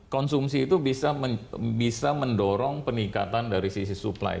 konsumsi itu bisa mendorong peningkatan dari sisi supply